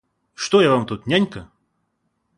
Что я Вам тут, нянька?